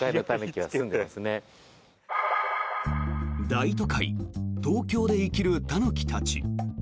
大都会・東京で生きるタヌキたち。